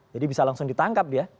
jadi bisa langsung ditangkap dia